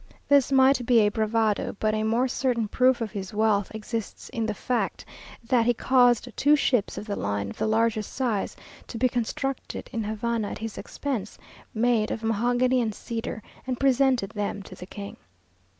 This might be a bravado; but a more certain proof of his wealth exists in the fact, that he caused two ships of the line, of the largest size, to be constructed in Havana at his expense, made of mahogany and cedar, and presented them to the king.